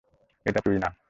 এটা তুই না।